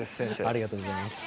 ありがとうございます。